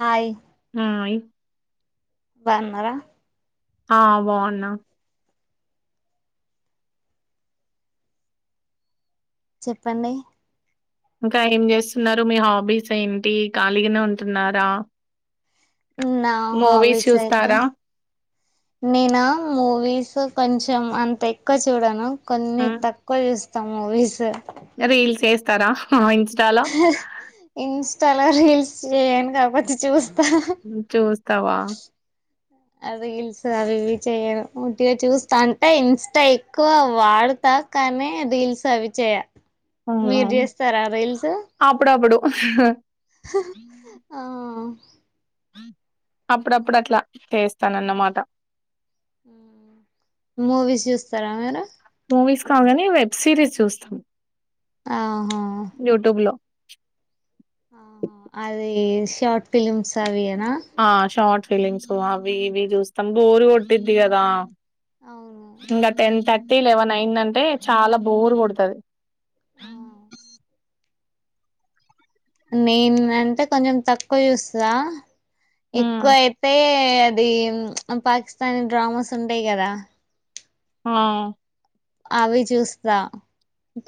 Hi hi బాగున్నారా ఆ బాగున్నా చెప్పండి ఇంకా ఏం చేస్తున్నారు మీ హాబీస్ ఏంటి ఖాళీగానే ఉంటున్నారా నా మూవీస్ హాబీస్ ఐతే చూస్తారా? నేనా మూవీస్ కొంచ్ చం అంత ఎక్కువ చూడాను కొన్ని హ్మ్. తక్కువ చూస్తాం మూవీసు తరా హాయిన్స్ ఇన్స్టాలో రీల్స్ చేయను కాపోతే చూస్ నువ్ చూస్తావా ఆ రీల్స్ అవి ఇవి చేయను ఉట్టిగా చూస్తా అంటే ఇన్స్టా ఎక్కువ వాడుతా, అ కానే రీల్స్ అవి చేయ అవునా మీరు చేస్తారా రీల్స్ అప్పుడప్పుడు ఆ అప్పుడప్పుడు అట్లా చేస్తానన్నమాట మూవీస్ చూస్తారా మీరు మూవీస్ కగానే వెబ్ సిరీస్ చూస్తాం ఆహా [inaudible] అదే షార్ట్ ఫిలిమ్స్ అవి ఆ షార్ట్ ఫీలింగ్స్ అవి ఇవి చూస్తాం బోరు కొట్టిద్ది కదా అవును ఇంగా టెన్ థ ర్టీ లెవెన్ అయిందంటే చాలా బోరు కొడుతది ఆ నేన్ అంటే కొంచెం తక్కువ చూస్తా ఎక్కువ హ్మ్. అయితే తె అది పాకిస్తానీ డ్రామాస్ ఉంటాయి కదా ఆ అవి చూస్తా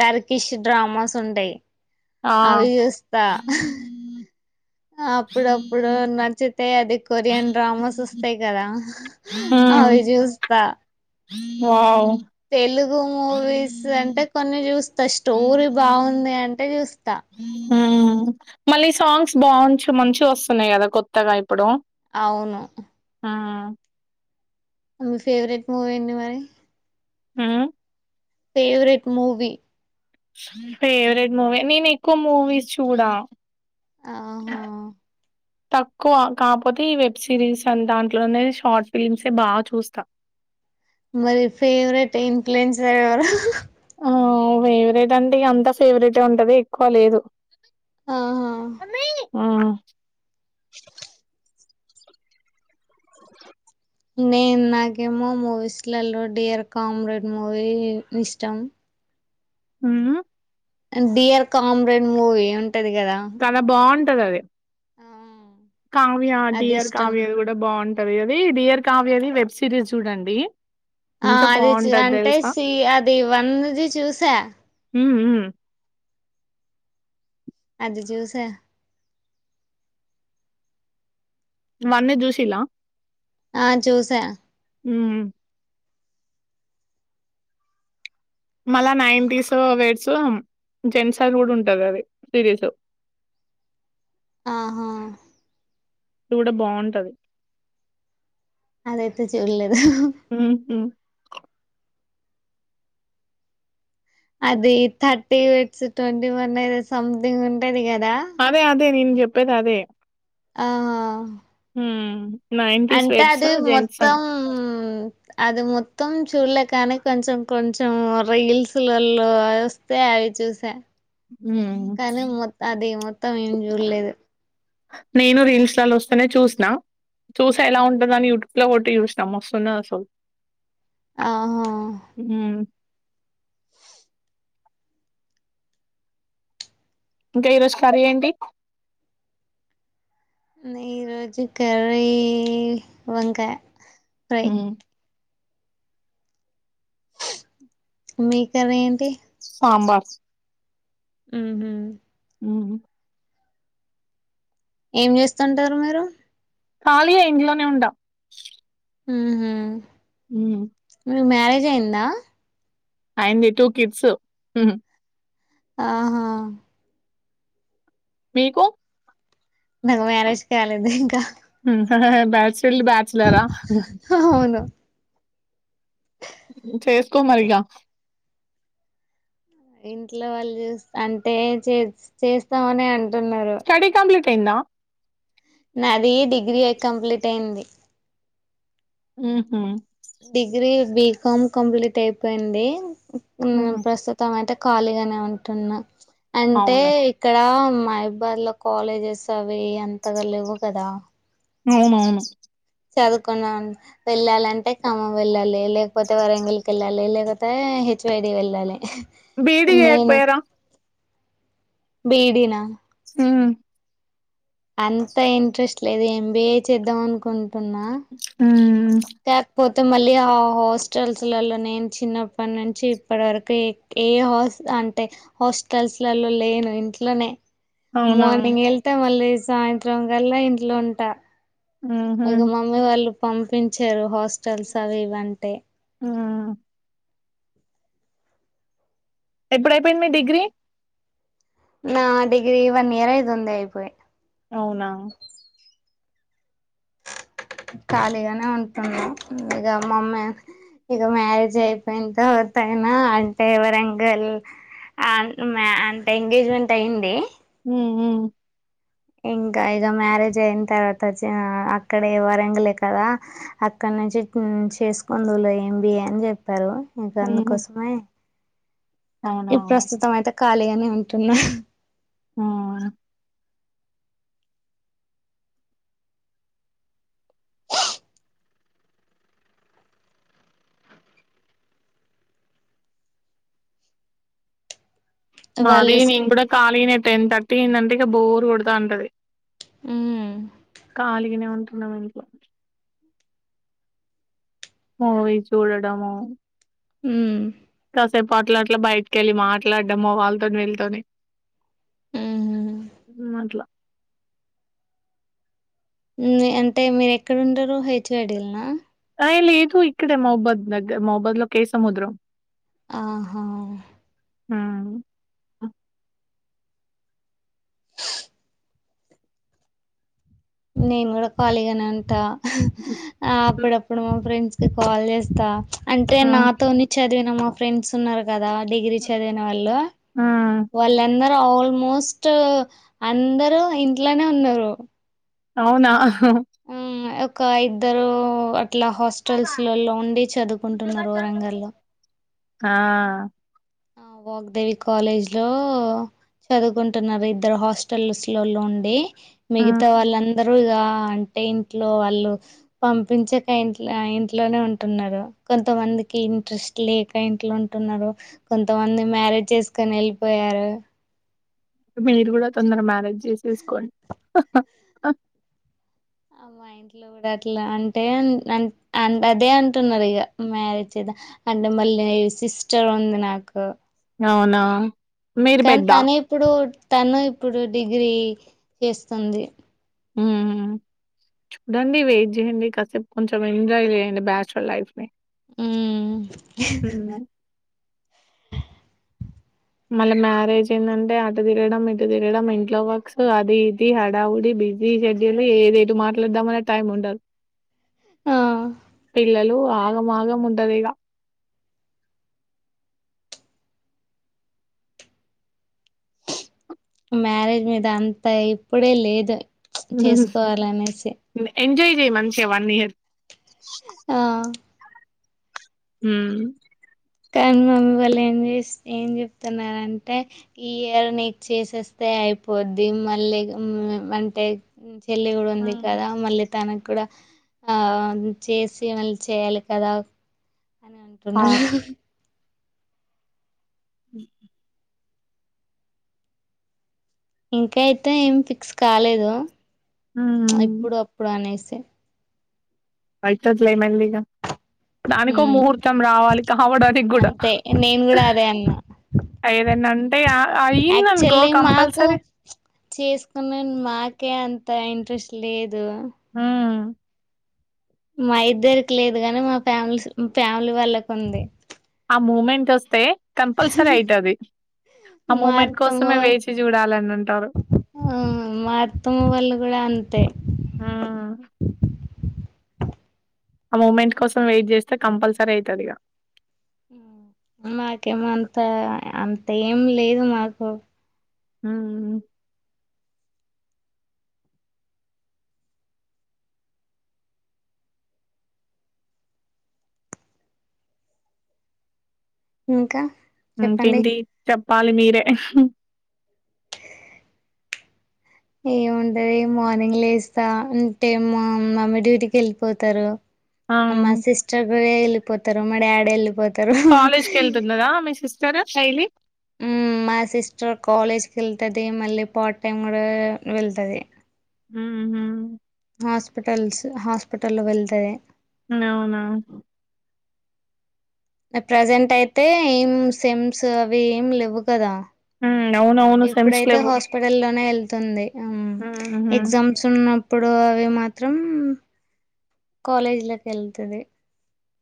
టర్కిష్ డ్రామాస్ ఉంటాయి ఆ! అవి చూస్తా అప్పుడప్పుడు నచ్చితే అది కొరియన్ డ్రామాస్ వస్తాయ్ కదా హ్మ్. అవి జుస్తా వావ్ తెలుగు మూవీస్ అంటే కొన్ని చూస్తా స్టోరీ బాగుంది అంటే చూస్ త్త మ్ మళ్ళీ సాంగ్స్ బాగుంచ్ మంచి వస్తున్నాయి కదా కొత్తగా ఇప్పుడు ఆవును అ మీ ఫేవ్రెట్ మూవీ ఏంది మరి ఉమ్ favourite movie favourite movie నేను ఎక్కువ మూవీస్ చూడా ఆహా తక్కువ కాపోతే ఈ వెబ్ సిరీస్ అన్ దాంట్లోనే షార్ట్ ఫిలిమ్సే బాగా చూస్తా మరి ఫేవరెట్ ఇన్ఫ్యూలెన్సర్ ఎవరు ఆ ఫేవరెట్ అంటేఇగ అంత ఫేవరెట్ ఉంటది ఎక్కువ లేదు ఆహా అ నేన్ నాకేమో మూవీస్లలో డియర్ కామ్రేడ్ మూవీ ఇష్టం ఉమ్మ్ డియర్ కామ్రెడ్ మూవీ ఉంటది కదా అదదే కావ్య అది డియర్ ఇష్టం కావ్యది కూడా బాగుంటది అది డియర్ కావ్యది వెబ్ సిరీస్ చూడండి ఆ ఎంత అది చ్ బాగుంటది అంటే తెలుసా సి అది వన్నుది చూసా ఉమ్ ఉమ్ అది చూసా వన్నూది జూసిల్ల ఆ చూసా ఉమ్ మళ్ళా నైటీస్ వేడ్స్ జెంట్స్ అని కూడా ఉంటది అది సిరీస్ ఆహా ది కూడా బాగుంటది అదైతే చూలేదు హ్మ్. హ్మ్. అది థర్టీ వెడ్స్ ట్వంటీ వన్ అదే సంథింగ్ ఉంటది కద్ అదే అదే నేన్ చెప్పేది అదే ఆ ఆ అంటే అది మొత్తం అది మొత్తం చూడలే కాని కొంచెం కొంచం రీల్స్లలో వస్తే అవి చూసా హ్మ్. కానీ మొత్తం అది మొత్తం ఏం చూడలేదు నేను రీల్స్ లో వస్తేనే చూసిన చూస ఎలా ఆహా ఉంటంద అని యూట్యూబ్ లొ కొట్టు చుసినము వస్తుందా అసలు ఆహా హ్మ్ ఇంకా ఈరోజు కర్రీ ఏంటి ఈ రోజు కర్రీ వంకాయ ఫ్రై హ మీకర్రీ ఏంటి సాంబార్ ఆమ్ ఉ ఏం చేస్తుంటారు మీరు కాళియే ఇంట్లోనే ఉండా హ్మ్ హ్మ్ నువ్వు మ్యారేజ్ అయ్యందా అయింది టూ కిడ్స్ ఆహా మీకు నాకు మ్యారేజ్ కాలేదు ఇంకా బ్యాచ్లర్ బ్యాచ్లరా అవును చేసుకో మరిగా ఇంట్లో వాళ్ళు చూస్త అంటే చే చేస్తామని అంటున్నారు టెండ్అ నాది డిగ్రీ కంప్లీట్ అయింది ఆహ డిగ్రీ బీకామ్ కంప్లీట్ అయిపోయింది హ్మ్. ప్రస్తుతం అయితే ఖాళీగానే ఉంటున్నా అంటే అవును. ఇక్కడ మహిబ్బాద్ లో కాలేజెస్ అవి ఎంతగా లేవు కదా అవున అవును చదువుకున్నా వెళ్ళాలింటే ఖమ్మం వెళ్ళాలి లేకపోతే వరంగిలికి వెళ్ళాలి లేకపోతే తె హెచ్ వై డీ వెళ్ళాలి బీడి చెకా పోయార బిడినా హ్మ్. అంత ఇంట్రెస్ట్ లేదు ఎంబిఏ చేద్దాం అనుకుంన్ హు పోతే మళ్ళీ ఆ హాస్టల్స్లో నేన్ చిన్నపటినుచి ఇప్పటి వరకు ఏ హస్ అంటే హాస్టల్స్లో లేను ఇంట్లోనే అవునా? మార్నింగ్ ఏళ్తా మళ్ళీ సాయంత్రం కాళ్ళ ఇంట్లో ఉంటా హుహు. ఇగ మమ్మీ వాళ్ళు పంపించారు హాస్టల్స్ అవీవంటే ఆ ఎపుడైపోయింది మీ డిగ్రీ నా డిగ్రీ వన్ ఇయర్ అయితుంది అయిపోయి అవునా ఖాళీగానే ఉంటున్నా ఇంగా మమ్మీ ఇగ మ్యారేజ్ అయిపోయింత తరువాతైనా అంటే వరంగల్ ఆన్ మే అంటే ఎంగేజ్మెంట్ అయింది హుహుహు ఇంకా ఇగ మ్యారేజ్ అయిన తర్వాత వొచ్చిన అక్కడే వరంగలే కదా అక్కన్ నుంచి చేసుకొందువులే ఎంబీఏ అని చెప్పారు ఇంకా హ్మ్. అందుకోసమే అవునా? ఈ ప్రస్తుతమైతే ఖాళీగానే ఉంటున్నా హాహా ఉమ్ మాది వాళ్ళు స్- నేను కూడా ఖాళీనే టెన్ థర్టీ అయిందంటే ఇగ బోర్ కొడ్తావుంటది ఉమ్ ఖాళీగానే ఉంటున్నాము ఇంట్లో మూవీ చూడడము ఉమ్. కాసేప్ అట్లా అట్లా బయటికి వెెళ్ళి మాట్లాడడమో వాళ్ళతోని వీళ్లతోని ఉమ్. ఉమ్ అట్లా ఉమ్ అంటే మీరెక్కడంటారు హెచ్ ఐడిల్నా అయి లేదు ఇక్కడే మహబద్ నగర్ మహబద్ లో కే సముద్రం ఆహా ఉమ్ నేను కూడా ఖాళీగానే ఉంట హాహా ఆ అప్పుడప్పుడు మా ఫ్రెండ్స్ కాల్ చేస్తా అంటే ఆ! నాతోని చదివిన మా ఫ్రెండ్స్ ఉన్నార్ కదా డిగ్రీ చదివినోళ్ళు ఆ! వాళ్ళందరు ఆల్మోస్ట్ అందరు ఇంట్లోనే ఉన్నరు అవునా హాహా ఉమ్ ఒక ఇద్దరు అట్ అట్లా హాస్టల్స్లో ఉండి చదువుకుంటున్నారు వరగంల్లో కా ఆ వాగ్దేవి కాలేజ్లో చదువుకుంటున్నారు ఇద్దరు హాస్టల్స్లో లో ఉండి మిగతా వాళ్ళందరూ ఇగా ఆ ఆ అంటే ఇంట్లో వాళ్ళు పంపించక ఇంట్ల ఆ ఇంట్లోనే ఉంటున్నారు కొంతమం దికి ఇంట్రెస్ట్ లేక ఇంట్లో ఉంటున్నారు కొంత్ కొంతమంది మ్యారేజ్ చేసుకొని వెళ్ళిపోయారు మీరు కూడా తొందర మ్యారేజ్ చేసేసుకోండి హాహా హా ఆ మా ఇంట్లో కూడా అట్లా అంటే అంద్ అదే అంటున్నారు ఇగా మ్యారేజె అంటే మళ్ళీ ఈ సిస్టర్ ఉంది నాకు అవునా మీరు కానీ పెద్దా? తనే ఇప్పుడు తను ఇప్పుడు డిగ్రీ చేస్తుంది హ్మ్. చూడండి వెయిట్ చేయండి కాసేపు కొంచం ఎంజాయ్ చేయండి బ్యాచలర్ లైఫ్ ని ఉమ్ మళ్ళ మ్యారేజ్ అయిందంటే అటు తిరడం ఇటు తిరడం ఇంట్లో వర్క్స్ అది ఇది హడావుడి బిజీ షెడ్యూల్ ఏదెటు మాట్లాడదామన్న టైం ఉండదు ఆ పిల్లలు ఆగమాగము ఉంటదిగా మ్యారేజ్ మీద అంతా ఇప్పుడే లేదు హు హు చేసుకోవాలనేసి హూ ఎంజాయ్ చేయ్ మంచిగా వన్ ఇయర్ ఆ ఉమ్ కానీ మమ్మీ వాళ్ళు ఏం చేస్ ఏం చెప్తున్నారంటే ఈ ఇయర్ నీక్ చేసేస్తే అయిపోద్ది మళ్ళీ ఉమ్ అంటే చెల్లి కూడా ఉంది కదా మళ్ళీ తనకు కూడా ఆ చేసి మళ్ళీ చేయాలి కదా అని అవును అంటున్నారు ఉహూ ఇంకా అయితే ఏం ఫిక్స్ కాలేదు ప్చ్ హ్మ్ ఇప్పుడు అప్పుడు అనేసి తే అయితదిలే మెల్లిగా దానికో హ్మ్ ముహూర్తం రావాలి కావడానికి కూడా అంతే నేను హా కూడా అదే అన్నా ఏదన్న అంటే ఆ అయ్యిందన్కో కంపల్సరీ చేసుకున్నా గానీ మాకే అంత ఇంట్రెస్ట్ లేదు. హ్మ్ మా ఇద్దరికి లేదు గాని మా ఫ్యామిలీస్ ఫ్యామిలీ వాళ్ళకు ఉంది. ఆ మూమెంట్ వస్తే కంపల్సరీ ఐతది. ఆ మా మూమెంట్ అత్తమ్మ కోసమే వేచి చూడాలని ఉంటరు. ఆ మా అత్తమ్మ వాళ్ళు కూడా అంతే. హ్మ్ ఆ మూమెంట్ కోసం వెయిట్ చేస్తే కంపల్సరీ అయితది ఇగా. అంతా ఏంలేదు మాకు. హుమ్ ఇంకా చెప్పండి ఇంకేంటి చెప్పాలి మీరే? హ్ ఏముంటది మార్నింగ్ లేస్తా అంటే మా మమ్మీ డ్యూటీకి వెళ్ళిపోతరు. ఆ మా సిస్టర్ కూడ ఎళ్లిపోతరు, మా డాడీ ఎళ్ళిపో కాలేజ్ కెళ్తున్నదా మీ సిస్టర్ డైలీ. ఊ మా సిస్టర్ కాలేజ్కెళ్తది, మళ్ళీ పార్ట్ టైమ్ కూడా వెళ్తది. హూహ్ హాస్పిటల్స్ హాస్పిటల్లో వెళ్తది. నవునా ప్రెజెంట్ అయితే ఏం సెమ్స్ అవి ఏమి లేవ్వు కదా. హూ ఔ ఇప్పుడైతే హాస్పిటల్ లోనే ఎళ్తుంది. హ్ ఊహూ ఎగ్జామ్స్ ఉన్న ప్పుడు అవి మాత్రం కాలేజీలోకెళ్తది.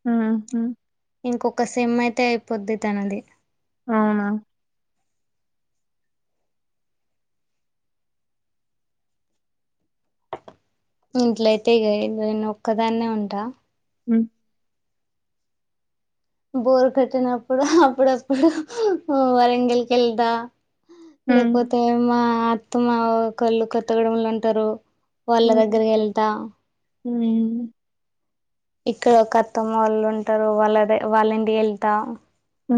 హుహ్ ఇంకొక సెమ్ అయితే అయిపోద్ది తనది. అవునా. ఇంట్లయితే ఇగ నేను ఒక్కదాన్నే ఉంటా. హు బోరు కొట్టినప్పుడు హా అప్పుడప్పుడు వరంగల్కి ఎల్తా. ఉమ్ లేకపోతే మా అత్తమ ఒకళ్లు కొత్తగూడెంలో ఉంటరు. వాళ్ళ దగ్గరికి ఎళ్తా. హూమ్ ఇక్కడ ఒక అత్తమ్మ వాళ్ళు ఉంటరు వాళ్ళదే వాళ్ళింటికి ఎళ్తా. హ్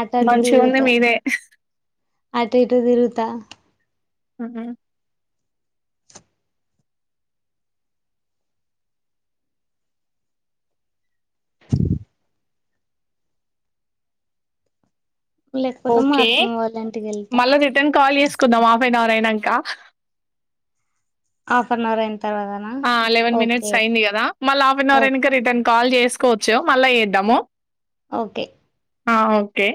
అటటు తిరుగుతా. మీదే అటు ఇటు తిరుగుతా. ఆహా లేకపోతే మా ఓకే అత్తమ్మ వాళ్ళ ఇంటికి వెళ్తా మళ్ళా రిటర్న్ కాల్ చేసుకుందాం హాఫ్ అన్ అవర్ అయినంకా. ఆఫ్ అన్ అవర్ అయింది. ఆ అలెవెన్ మినెట్స్ అయ్యింది కదా మళ్ళా హఫ్ అన్ ఓ అవర్ అయినాంక రిటర్న్ కాల్ చేసుకోవచ్చు మళ్ళా చేద్దాము. ఓకే ఆ ఓకే